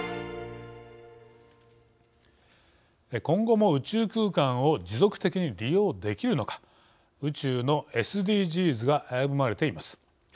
今後も宇宙空間を持続的に利用できるのか宇宙のＳＤＧｓが危ぶまれています。